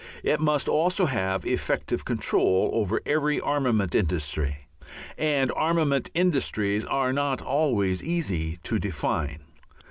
It must also have effective control over every armament industry. And armament industries are not always easy to define.